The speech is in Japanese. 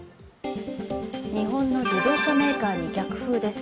日本の自動車メーカーに逆風です。